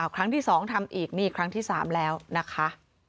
ครั้งที่๒ทำอีกนี่ครั้งที่๓แล้วนะคะ